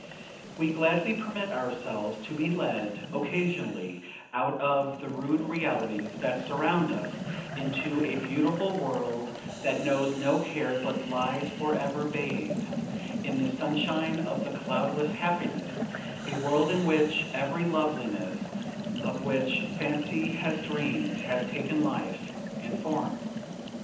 We gladly permit ourselves to be led, occasionally, out of the rude realities that surround us, into a beautiful world that knows no care but lies forever bathed in the sunshine of cloudless happiness, a world in which every loveliness of which fancy has dreamed has taken life and form.